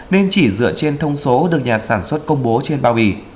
nên chỉ dựa trên thông số được nhà sản xuất công bố trên bao bì